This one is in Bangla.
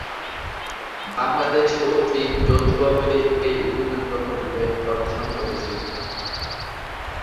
বাংলাদেশ ও চীন যৌথভাবে এই উন্নয়ন প্রকল্পের অর্থায়ন করেছে।